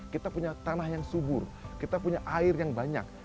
kita punya tanah yang subur kita punya air yang banyak